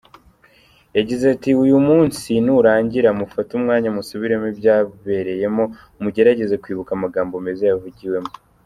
Yagize ati “Uyu munsi nurangira, mufate umwanya musubiremo ibyabereyemo, mugerageze kwibuka amagambo meza yavugiwemo.